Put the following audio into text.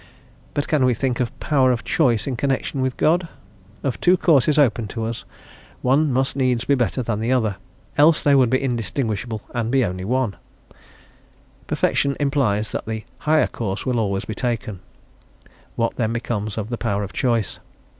But can we think of power of choice in connection with God? Of two courses open to us one must needs be better than the other, else they would be indistinguishable and be only one; perfection implies that the higher course will always be taken; what then becomes of the power of choice?